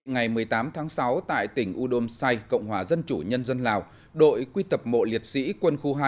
ngày một mươi tám tháng sáu tại tỉnh udomsai cộng hòa dân chủ nhân dân lào đội quy tập mộ liệt sĩ quân khu hai